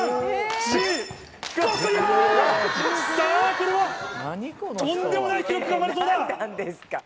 これはとんでもない記録が生まれそうだ！